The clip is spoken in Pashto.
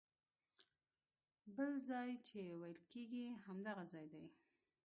بل ځای چې ویل کېږي همدغه ځای دی.